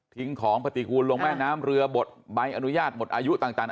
ของปฏิกูลลงแม่น้ำเรือบทใบอนุญาตหมดอายุต่าง